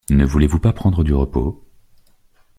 Ne voulez-vous pas prendre du repos?...